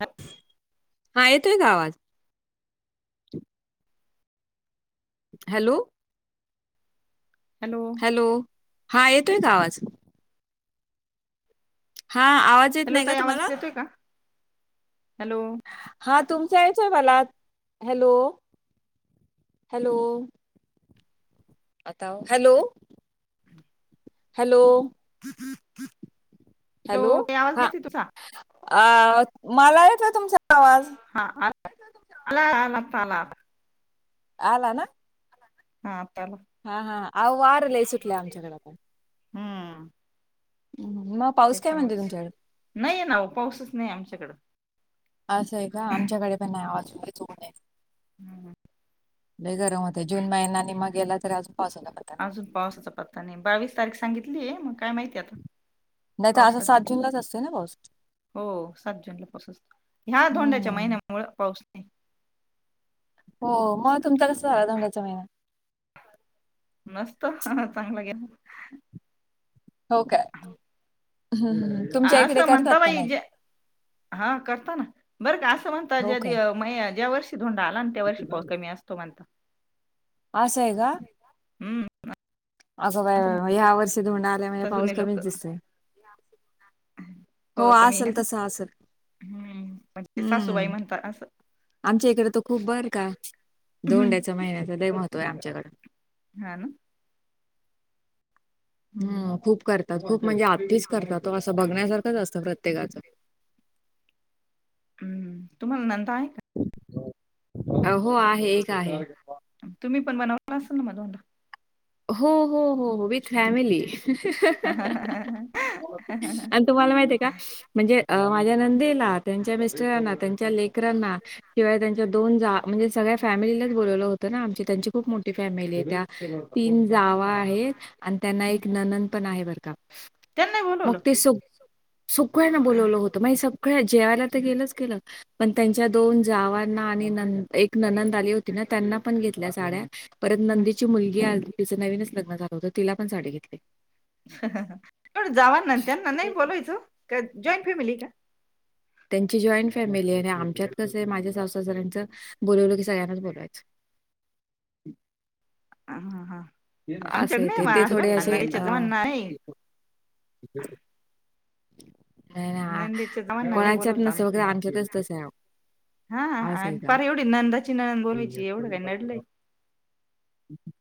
ह्म्म हा येतोय का आवाज? हॅलो हॅलो हा येतोय का आवाज? हा आवाज येत हॅलो नाही का ताई आवाज तुम्हाला? येतोय का हॅलो हा तुमच येतोय मला हॅलो, हॅलो आता हॅलो हॅलो हॅलो हॅलो. ते आवाज हा नाही येत तुझा अ मला येतोय तुमचा आवाज. हा आला हा आला, आला आला ना हा आला हा, हा आ वार लले सुटले आमच्याकडे हम्म, मग पाऊस काय म्हणतोय तुमच्याकडे? त्याच्यामुळे नाहीय ना पाऊसच नाही आमच्याकडं असं आहे का आमच्याकडे पण नाही ऊन आहे हम्म ह लय गरम होतंय. जून महिना निम्मा गेला तरी अजून पावसाचा पत्ता नाही. अजून पावसाचा पत्ता नाही बावीस तारीख सांगितलीय मग काय माहितीय आता नाही तर असा सात पावसाची जुूनलाच असतोय ना पाऊस हो सात जूनला पाऊस असतो ह्या धोंड्याच्या हम्म. महिन्यामुळे पाऊस ते हो मग तुमच कसं झालं धोंडाच्या महिना मस्त हा चांगलं गेला हो काय हं, हं. तुमच्या इकडे असं करतात म्हणता बा का नाही? जे हा करता ना बरं का असं म्हणता हो का? ज्या म ज्या वर्षी धोंडा आला ना त्या वर्षी पाऊस कमी असतो म्हणता. आहे का? हम्म. असं ह्या वर्षी धोंडा आल्यामुळे म्हणता पाऊस जुने लोक कमीच दिसतोय. हो असल तसं असेल. ह म्हणजे सासूबाई हं. म्हणतात असं. आमच्या इकडे तर खूप बर का धोंड्याचं महिन्याचं लय महत्त्व य आमच्याकड. हा ना. हम्म हम खूप करतात खूप म्हणजे आती च करतात ओ असं बघण्यासारखंच असतं प्रत्येकाचं [inaudible] हम्म तुम्हाला नंदा हाय. अं, हो आहे, एक आहे. तुम्ही पण बनवला असल ना म धोंडा. हो हो हो हो. विथ फॅमली आणि तुम्हाला माहितेय आहे का म्हणजे. अ माझ्या नंदेला त्यांच्या मिस्टरांना त्यांच्या लेकरांना शिवाय त्यांच्या दोन जा म्हणजे सगळ्या फॅमिलीलाच बोलवलं होत ना आमची त्यांची खूप मोठी फॅमिली आहे त्या तीन जावा आहेत आणि त्यांना एक नणंद पण आहे बर का. त्यांना मग बोलवलं ते सु सळ्यांना बोलावलं होत माही सगळ्या जेवायला तर केलंच केलं पण त्यांच्या दोन जावांना आणि नना एक ननंद आली होती ना त्यांना पण घेतल्या साड्या परत नंदीची मुलगी आली तिचं नवीनच लग्न झालं होतं तिला पण साडी घेतली. जावाना त्यांना नाही बोलायचं ओ जॉईंट फॅमिली का. त्यांची जॉईंट फॅमिली आणि आमच्यात कस माझ्या सासू सासऱ्यांचं बोलवलं की सगळ्यांनाच बोलायचं. ह हां हां. ते. ते थोडे असे अ, [unintelligible] नाय ना जावांना नाही कोणाच्यात बोलवता नस आम्ही वगैरे आमच्याच तसए ओ. हा पर एवढी नंदाची ननंद बोलवायची एवढं काय नडलय. [inaudible]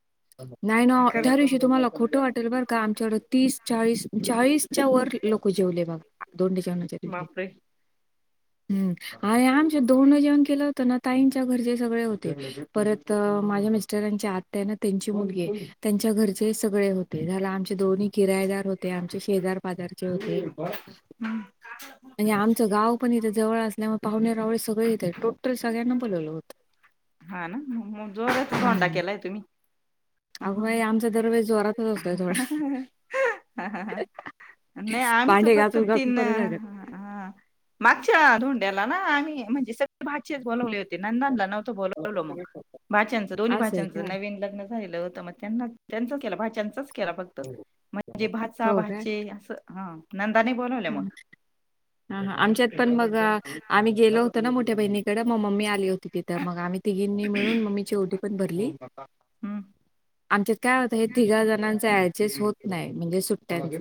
नाही ना खर त्या दिवशी तुम्हाला खोटं वाटेल बरं का आमच्याकड तीस चाळीस चाळीस च्या वर लोक जेवले बघा धोंडे जेवणाच्या दिवशी. बापरे हम्म. हम्म आणि आमच्या धोंडे जेवण केलं होत ना ताईंच्या घरचे सगळे होते. परत माझ्या मिस्टरांची आत्या ना त्यांची मुलगी. त्यांच्या घरचे सगळे होते झाला आमचे दोन्ही किराेदार होते आमचे शेजार पाजार. [unintelligible] म्हणजे आमच गाव पण इथे जवळ असल्यामुळे पाहुणे रावळे सगळे इथे टोटल सगळ्यांना बोलवलं होत. हा ना, मग जोरच झोंडा केलाय तुम्ही- अग बाई आमचा दरवेळी जोरात- हा हा हा नाही आमचं भांडे फक्त घासून घासून तीन परत लागत. मागच्या धोंड्याला ना आम्ही- ते भाचीच बोलावले होते नंदला नव्हंत बोलवलो मग भाच्या्यांचं दोन्ही असं आहे भाच्या्यांचं का? नवीन लग्न झालेलं होतं मग त्यांनाच त्यांचा केला भा्यांचाच केला फक्त म्हणजे भाचा हो काय? भाचे अस हा- पण आल्या मग [unintelligible] हा, हा आमच्यात पण मग आम्ही गेलो होतो ना मोठ्या बहिणीकडे मग मम्मी आली होती तिथं मग आम्ही- म तिघींनी मिळून मम्मीची ओटी पण भरली- हम्म. आमच्यात काय होतं हे तिघाजणांच ऍडजस्ट होत नाही म्हणजे सुट्ट्यांच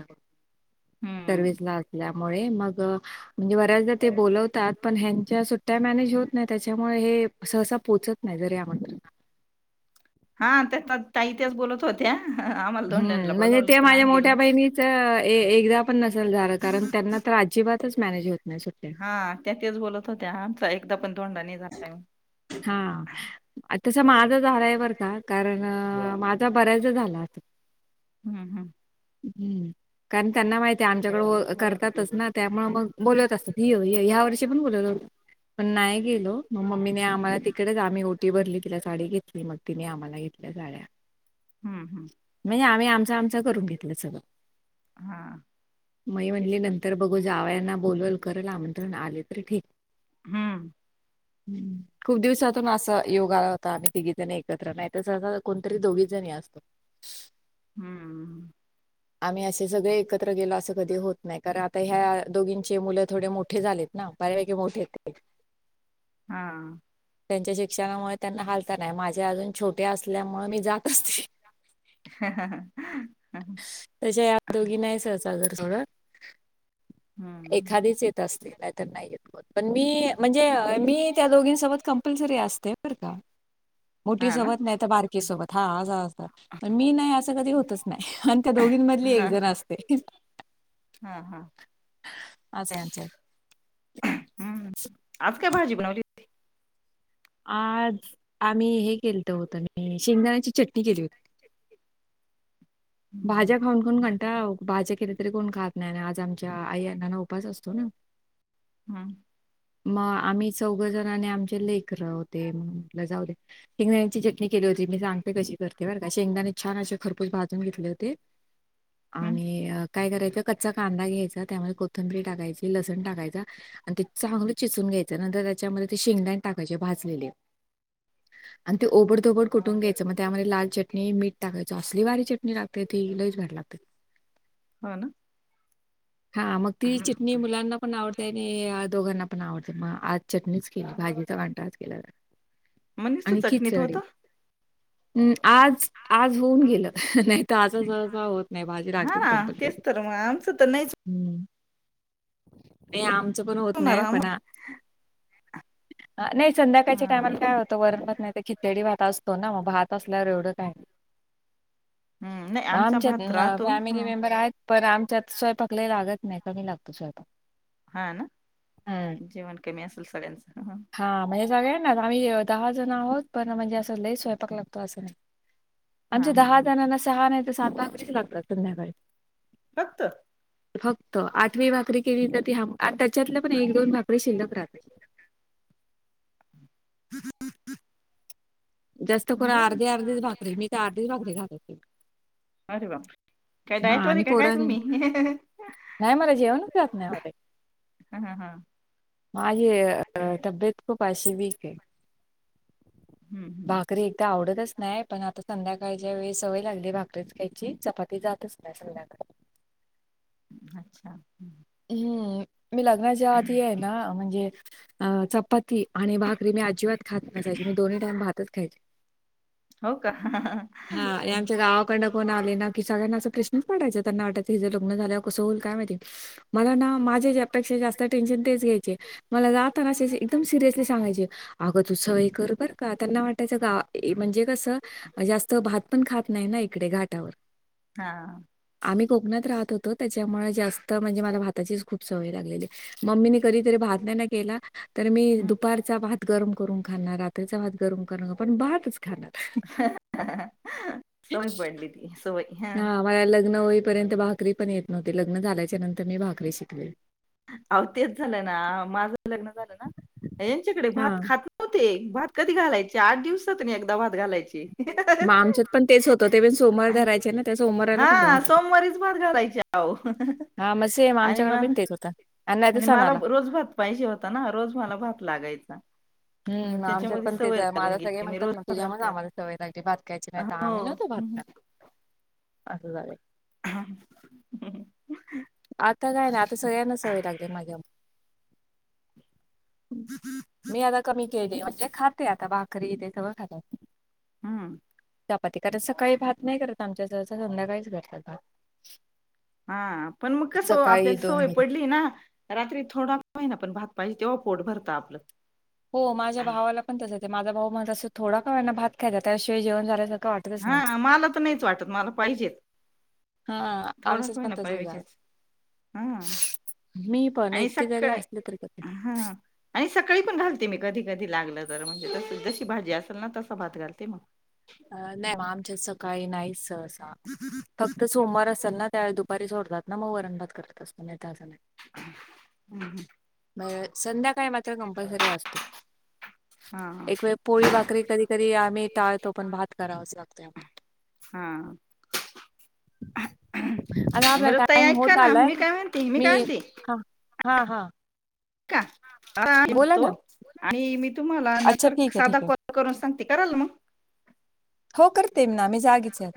हम्म सर्विसला असल्यामुळे मग म्हणजे बऱ्याचदा ते बोलवतात पण ह्यांच्या सुट्ट्या मॅनेज होत नाही, त्याच्यामुळे हे सहसा पोचत नाहीत. या म्ह [unintelligible] हा ते- ताई तेच बोलत होत्या- धोंड्यांला हम्म म्हणजे बोलवलं ते पण माझ्या आम्ही गेलो मोठ्या नाही. बहिणीच ये ये पण नसेल झाल कारण त्यांना तर अजिबातच मॅनेज होत नाहीया सुट्ट्या. हा त्या तेच बोलत होत्या आमचा एकदा पण धोंडा नाही झाला हा, तस माझं झाारायवरर का कारण माझ [unintelligible] त बऱ्याच दा झाला आता हम्म हम्म हम् कारण त्यांना माहिती आहे आमच्याकडं करतातचं ना त्यामुळे मग बोलवत असतात ह्या वर्षी पण बोलत होत. पण नाही गेलो. ग मम्मीने आम्हाला तिकडेच आम्ही ओटी भरली तिला साडी घेतली, मग तिने आम्हाला घेतल्या साड्या. हम्म हम्म म्हणजे आम्ही आमचा आमचा करून घेतलं सगळं हा मही तेच म्हणली तर नंतर बघू जावयाना बोलल करल आमंत्रण आले तर ठीक- हम्म ह खूप दिवसातून असं योग आला होता आम्ही तिघीजणी एकत्र बायकांना सांगितल कोणतरी दोघी जणीच या फक्त हम्म. आम्ही असे सगळे एकत्र गेलो, असं कधी होत नाही व, कारण आता ह्या दोघींचे मुलं थोडे मोठे झालेत- ना बऱ्यापैकी मोठे आहेत ते. - हा. त्यांच्या शिक्षणामुळे त्यांना हाल तर नाही माझे अजून छोटे असल्यामुळे मी जात असते त्याच्या या दोघी नाही स सहसा घर सोडत. हम्म एखादीच येत असतील नाही तर नाही येत पण मी म्हणजे मी त्या दोघींसोबत कंपल्सरी असते बरं का मोठी हा ना सोबत नाही तर, बारकी सोबत हा अस मी नाही असं कधी होतच नाही आणि त्या दोघ- घिन मधली एक हा जण असते [unintelligible] हा हा अ तेे अ से [unintelligible] हम्म आज काय भाजी बनवली होती? आज आम्ही हे- केल तर होत आणि शेंगदाण्याची चटणी केली होती. हम्म भाज्या खाऊन, खाऊन कंटाळा आलाओ, भाज्या केल्या तरी कोण खात नाही आज आम- च्या आई अन्ना ला उपवास असतो ना. हम्म. मग आम्ही चौघ जण आणि आमचे लेक- जा शेंगदाची जटणी केली होती मी सांगते कशी करते बर का शेंगदा छान [unintelligible] खरपूस भाजून घेतले होते. हम्म, आणि काय करायचं कच्चा कांदा घ्यायचा, त्यामध्ये कोथंबीरी टाकायची लस टाकायचा आणि ते चांगलं चिचून घ्यायच नंतर त्याच्यामध्ये शेंगदाणे टाकायचे भाजलेले, आणि ते ओबडधोबड कुठून घ्यायाच,, मग त्यामध्ये लाल चटणी, मीठ टाकायचं, असली भारी चटणी लागते ती लईच भारी लागते. हो, ना. हा, मग ती चटणी हम्म. मुलांना पण आवडतेय आणि दोघांना पण आवडते, मग आज चटणीच केली, भाजीचा वांटाज केला नाही. मग नीसत चटणीत होता. हम्, आज, आज होऊन गेलं, नाही. हा ना तेच तर मग आमचं तर नाहीच [unintelligible] नाही आमचं पण होत होणार नाही, पण आम्हा नाही संध्याकाळच्या हा टायमाला काय होतं, वरणभात नाहीतर खितडी भात असतो ना, मग भात असल्यावर एवढं काही नाही. हम्म. नाही आमचा आमच्यात भात ना राहतो हा फॅमिली मेंबर आहेत, पण आमच्यात स्वयंपाक लय लागत नाही, कमी लागतो. [unintelligible] हा, ना, जेवण कमी असेल सगळ्यांचं. हा, मझे सगळेऽऽ आम्ही दहा जण आहोत, पण म्हणजे असं लई स्वयंपाक लागतो असं नाही. हा आमच्या हा दहा हा. जणांना सहा नाही तर सात भाकरीच लागतात संध्याकाळी. फक्त? फक्त, आठवी भाकरी केली तर ती हम... त्याच्यातले पण एक दोन भाकरी शिल्लक राहतात. [unintelligible] जास्त कोण... बर अर्धी... अर्धीच भाकरी, मी तर अर्धीच भाकरी खात होते. अरे बाप काय हा डायट वर ये, आणि का काय पोरण तुम्ही? ह... ह नाही मला जेवणच जात नाही आवडत [unintelligible] हा, हा, हा माझी.. अ.. तब्येत... खूप अशी वीक ए. हम्म हम्म भाकरी एकदा आवडतचऽऽ नाही, पण आता संध्याकाळच्या वेळी सवय लागली भाकरीच ख्यायची,, चपातीऽ मी जातच नाय संध्याकाळी. अच्छा. हम्म, मी लग्नाच्या आधी आहे ना,, म्हणजे अ... पाती आणि भाकरी मी अजिबात खात नसायची, मी दोन्ही टाइम भातच खायचे. हो का हा यांच्या गावाकडंन कोण आले ना कि सगळ्यांना असं प्रश्ऽऽ पडायचा, त्यांना वाटायचं हीचं लग्न झाल्यावर कसं होईल काय माहिती? मला ना माझ्या ज्या पेक्षा जास्त टेन्शन तेच घ्यायचे. मला जाताना.. असे एकदम सिरियसली सांगायचे, अग तू सवय कर बर का... त्यांना वाटायचं... गा... म्हणजे कसं, जास्त भात पण खात नाही ना इकडे, घाटावर हा, आम्ही कोकणात राहत होतो, त्याच्यामुळे जास्त म्हणजे मला भाताचीच खूप सवय लागलेली. मम्मीने कधीतरी भात नाही ना केला, तर मी दुपारचा भात गरम करून खानार, रात्रीचा भात पण भातच फक्त ह.. ह हह.. ह... सवय पडली ती, सवय. हा मला लग्न होईपर्यंत भाकरी पण येत नव्हती, लग्न झाल्याच्या नंतर मी भाकरी शिकले. अव तेच झालं ना, माझं पण लग्न झालं ना... यांच्याकडे हा भात खातच नव्हते. भात कधी घालायचे, आठ दिवसातून एकदा भात घालायचे, मग आमच्यात पण तेच होतं ते पण सोमवार [unintelligible] धरायचे ना त्या सोमवाराला फक्त हं, भात होता. सोमवारीच भातऽऽ घालायचे अवो हा, मग सेम, आमच्याकडे पण तेच होतं. नाही तर आणि मला सणाला रोज भात पाहिजे होता ना, रोज मला भात लागायचा. हम्म मग आमच्यात त्याच्यामध्ये पण तेच सवय आहे माझ लागून सगळे गेली, मी म्हणतात रोज ना भात तुझ्यामुळेच घालते आम्हाला सवय लागली भात खायची आता... नाही तर आम्ही हो. नव्हतो भात खात [unintelligible] असं झालंय. हा.. हह. आता काय नाही आता सगळ्यांना सवय लागली माझ्यामुळे मी आता कमी केले म्हणजे खाते आता भाकरी इथे सगळं खातात. हम्म. चपाती, कारण सकाळी भात नाही करत आमच्यात सहसा संध्याकाळीच करतात भात. हा.. पण मग कसं... सकाळी आपल्याला सवोय दोन पडली ना, रात्री थोडा होई ना पण भात पाहिजे तेव्हा पोट भरता आपलं. हो माझ्या भावाला पण तसंच ए माझा भाऊ मला तसं थोडा का होइना भात [unintelligible] जेवण झाल्यासारखं [unintelligible] वाटतच नाही. हा मला तर नाहीच वाटत, मला तर पाहिजेच. हा... आमच्यात पण तसंच हाय हा [unintelligible] मी पण आणि एकटे जरी सकाळ असले तरी पण हा आणि सकाळी पण घालते मी कधी कधी लागलं तर... म्हणजे जशी भाजी असेल ना तसं भात घालते मग नाही म् आमच्यात् सकाळी नाहीच् फक्त सोमवार असेल ना त्यावेळी दुपारी सोडतात ना.. मग वरण भात करत असतो त्या [unintelligible] हम्म हम्म संध्याकाळी मात्र कम्पलसरी असतो. हम्म एक वेळ पोळी भाकरी आम्ही कधी कधी आम्ही टाळत आपण भात करावाच लागतो आम्हाला. आता [inaudible] आपला बर ताई टाइम ऐका होत ना. आलाय मी काय म्हती. मी काय म्हती. हा हा हा बोला ना [unintelligible] तुम्हाला अच्छा नंतर ठीक आहे साधा ठीक आहे कॉल करून सांगते. कराल मग. हो करते ना मी जागीच आहे.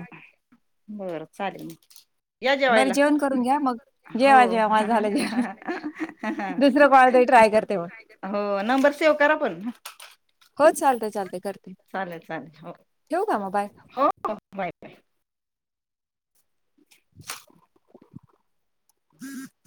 बरं चालेल. म बर जेवण करून घ्या. मग हो. जेवा जेवा माझं झालं जेवण दुसरं कॉल तरी ट्राय करते मग. हो. नंबर सेव्ह करा पण. हो चालतय चालतय करते. चालेल चालेल हो ठेवु का मग. हो माहित आहे. [inaudible]